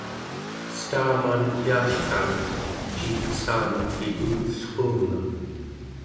cetamanek yaaltanek ciitsaamek kiputellruunga